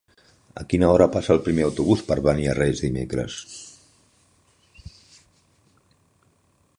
A quina hora passa el primer autobús per Beniarrés dimecres?